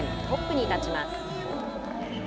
トップに立ちます。